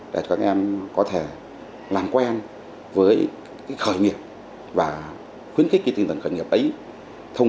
để các em có thể làm quen với khởi nghiệp và khuyến khích cái tinh thần khởi nghiệp ấy thông